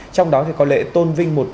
trong đó thì có lệ tôn vinh